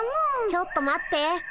ちょっと待って。